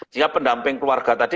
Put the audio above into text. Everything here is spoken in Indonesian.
sebagai pendamping keluarga tadi